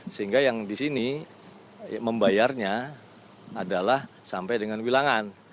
sehingga yang disini membayarnya adalah sampai dengan wilangan